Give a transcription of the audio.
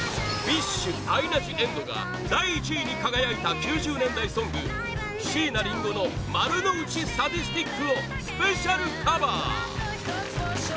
ＢｉＳＨアイナ・ジ・エンドが第１位に輝いた９０年代ソング椎名林檎の「丸ノ内サディスティック」をスペシャルカバー！